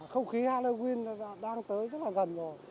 không khí halloween đang tới rất là gần rồi